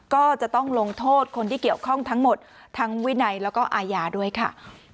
ก็จะต้องลงโทษคนที่เกี่ยวข้องทั้งหมดทั้งวินัยแล้วก็อาญาด้วยค่ะ